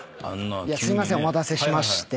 すいませんお待たせしまして。